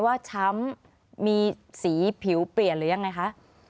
ช้ำมีสีผิวเปลี่ยนหรือยังไงคะ